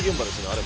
あれ